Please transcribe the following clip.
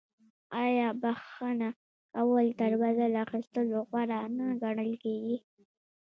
آیا بخښنه کول تر بدل اخیستلو غوره نه ګڼل کیږي؟